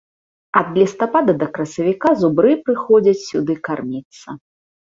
Ад лістапада да красавіка зубры прыходзяць сюды карміцца.